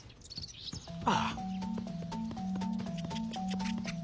ああ。